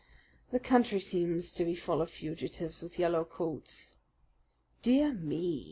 The country seems to be full of the fugitives with yellow coats." "Dear me!"